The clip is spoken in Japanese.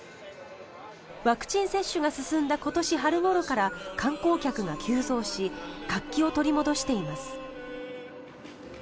ワクチン接種が進んだ今年春ごろから観光客が急増し活気を取り戻しています。